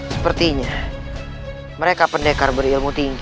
sepertinya mereka pendekar berilmu tinggi